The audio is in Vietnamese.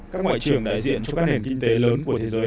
các ngoại trưởng đại diện cho các nền kinh tế lớn của thế giới